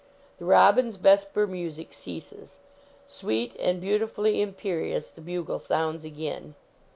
The robin s vesper music ceases. Sweet and beautifully imperious the bugle sounds again.